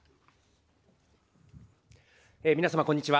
皆様、こんにちは。